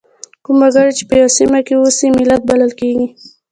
کوم وګړي چې په یوه سیمه کې اوسي ملت بلل کیږي.